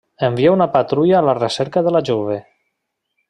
Envia una patrulla a la recerca de la jove.